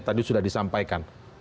tadi sudah disampaikan